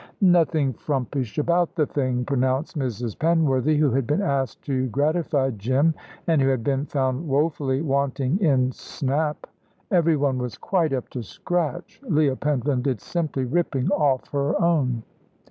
"Nothing frumpish about the thing," pronounced Mrs. Penworthy, who had been asked to gratify Jim, and who had been found woefully wanting in snap. "Every one was quite up to scratch. Leah Pentland did simply ripping off her own."